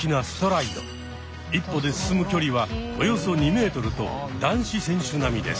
一歩で進む距離はおよそ２ｍと男子選手並みです。